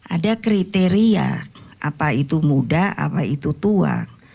ada kriteria apa itu muda apa itu tuang